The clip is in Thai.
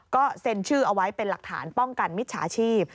ก็เซ็นชื่อเอาไว้เป็นหลักฐานป้องกันมิจฉาชีพ